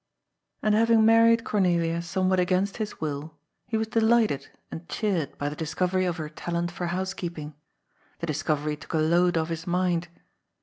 Akd haying married Cornelia somewhat against his will, he was delighted and cheered by the discovery of her talent for housekeeping. The discovery took a load oS. his mind.